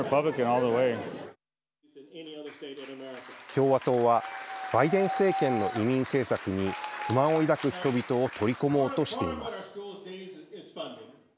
共和党はバイデン政権の移民政策に不満を抱く人々を取り込もうとしています。